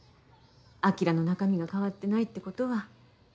晶の中身が変わってないってことは。